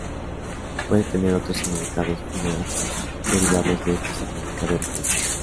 Puede tener otros significados figurados derivados de este significado original.